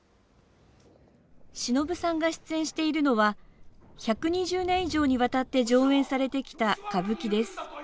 しのぶさんが出演しているのは、１２０年以上にわたって上演されてきた歌舞伎です。